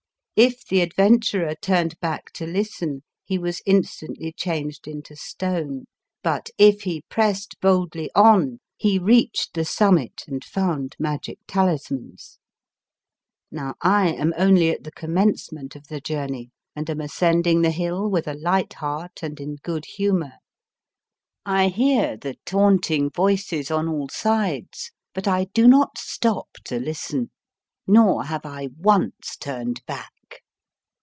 If the adventurer turned back to listen, he was instantly changed into stone ; but if he pressed boldly on, he reached the summit and found magic talismans. Now I am only at the commencement of the journey, and am ascending the hill with a light heart and in good humour. I hear the taunting voices on all sides, but I do not stop to listen, nor have I once turned back.